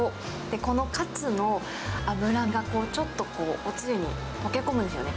このカツの脂がちょっとこう、おつゆに溶け込むんですよね。